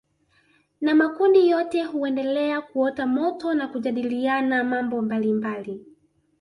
Na makundi yote huendelea kuota moto na kujadiliana mambo mbalimbali